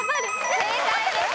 正解です。